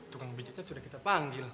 tukang becaknya sudah kita panggil